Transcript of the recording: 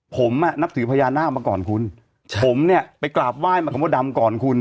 ผมอ่ะนับถือพญานาคมาก่อนคุณใช่ผมเนี่ยไปกราบไห้มากับมดดำก่อนคุณ